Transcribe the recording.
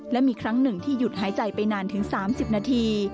และมีครั้งหนึ่งที่หยุดหายใจไปนานถึง๓๐นาที